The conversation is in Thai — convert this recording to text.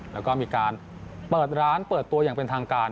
แล้วก็มีการเปิดร้านเปิดตัวอย่างเป็นทางการ